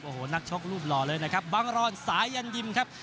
โอ้โหนักชกรูปหล่อเลยนะครับบังรอนสายันยิมครับ